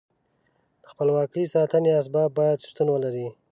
د خپلواکۍ ساتنې اسباب باید شتون ولري.